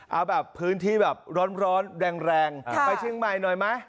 เอาแบบพื้นที่แบบร้อนแรงไปเชียงใหม่หน่อยไหม